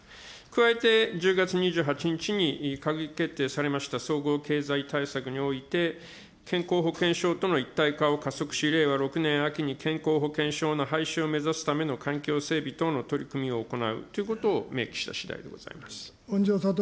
加えて１０月２８日に閣議決定されました総合経済対策において、健康保険証との一体化を加速し、令和６年秋に健康保険証の廃止を目指すための環境整備等の取り組みを行うということを明記したしだいでございます。